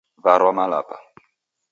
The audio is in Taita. Warwa Malapa.